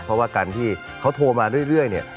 เพราะว่าการที่เขาโทรมาเรื่อยเนี่ย